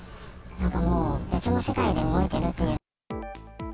なんかもう、別の世界で動いてるという。